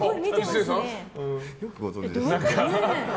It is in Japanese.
よくご存じですね。